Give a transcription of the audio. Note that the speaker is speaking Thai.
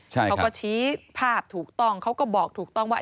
เขาก็ชี้ภาพถูกต้องเขาก็บอกถูกต้องว่า